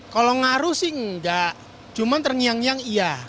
kalau ngaruh sih enggak cuma terngiang ngiang iya